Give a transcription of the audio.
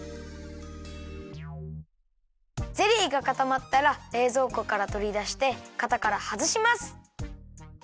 ゼリーがかたまったられいぞうこからとりだしてかたからはずします。